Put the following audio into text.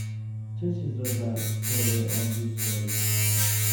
چه چیز را درباره آن دوست داری؟